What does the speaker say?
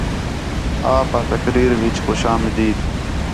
آپ آ تقریر وِچ خوش آمدید